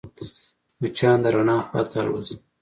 مچان د رڼا خواته الوزي